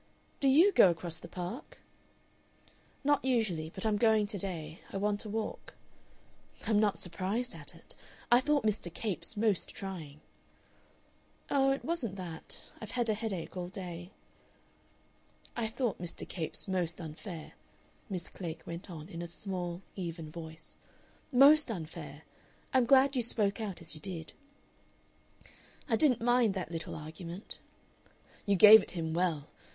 "Do YOU go across the Park?" "Not usually. But I'm going to day. I want a walk." "I'm not surprised at it. I thought Mr. Capes most trying." "Oh, it wasn't that. I've had a headache all day." "I thought Mr. Capes most unfair," Miss Klegg went on in a small, even voice; "MOST unfair! I'm glad you spoke out as you did." "I didn't mind that little argument." "You gave it him well.